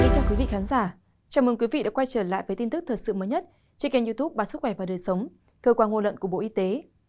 chào mừng quý vị đã quay trở lại với tin tức thật sự mới nhất trên kênh youtube bản sức khỏe và đời sống cơ quan ngô lận của bộ y tế